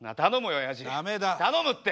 頼むって！